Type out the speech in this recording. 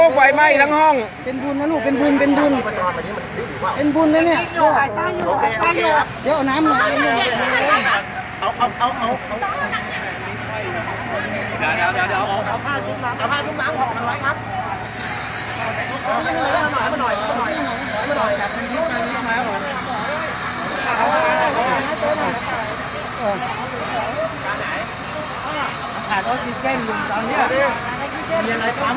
เก้าชีวิตหรือเราให้เจ้าของโน้น